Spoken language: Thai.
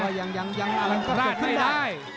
แต่ว่ายังระดาษไม่ได้